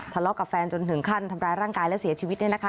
ทะเลาะกับแฟนจนถึงขั้นทำร้ายร่างกายและเสียชีวิตเนี่ยนะคะ